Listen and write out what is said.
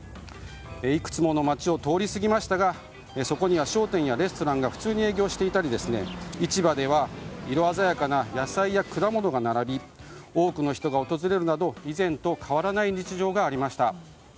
いくつもの街を通り過ぎましたがそこには商店やレストランが普通に営業していたり市場では色鮮やかな野菜や果物が並び多くの人が訪れるなど以前と変わらない日常がありました。